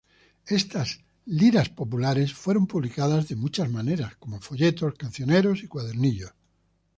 Estas Lira populares fueron publicado por muchos maneras como folletos, cancioneros y cuadernillos.